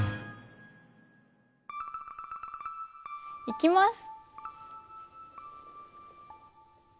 いきます。